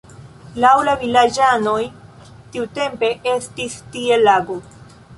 Laŭ la vilaĝanoj tiutempe estis tie lago.